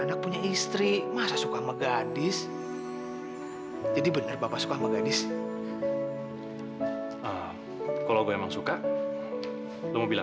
sampai jumpa di video selanjutnya